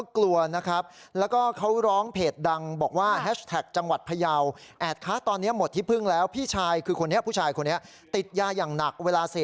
แต่มันต้องคิดว่าเราเป็นคนยาวน่าจะอยู่ในมือ